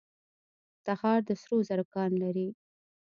تخار د سرو زرو کان لري